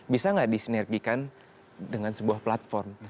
bisa nggak disinergikan dengan sebuah platform